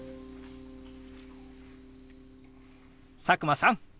佐久間さん！